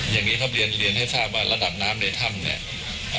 อย่างนี้ครับเรียนเรียนให้ทราบว่าระดับน้ำในถ้ำเนี่ย